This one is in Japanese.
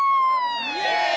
イェーイ！